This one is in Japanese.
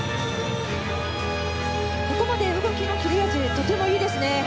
ここまで動きの切れ味とてもいいです。